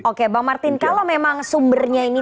oke bang martin kalau memang sumbernya ini